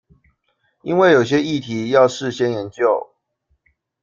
因為有些議題要事先研究